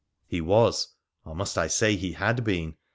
He was — or must I say, he had been